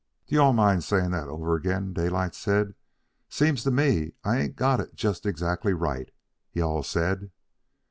"Do you all mind saying that over again?" Daylight said. "Seems to me I ain't got it just exactly right. You all said...?"